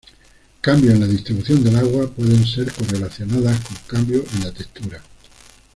Cambios en la distribución del agua pueden ser correlacionados con cambios en la textura.